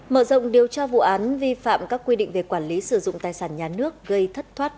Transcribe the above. mở rộng điều tra vụ án vi phạm các quy định về quản lý sử dụng tài sản nhà nước gây thất thoát